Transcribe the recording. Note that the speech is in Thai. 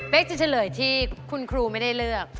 เป็นจะเฉลยที่คุณครูไม่ได้เลือก